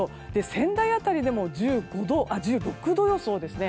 仙台辺りでも１６度予想ですね。